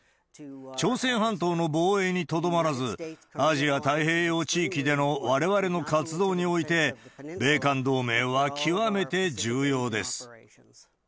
朝鮮半島の防衛にとどまらず、アジア太平洋地域でのわれわれの活動において、米韓同盟は極めて重要です。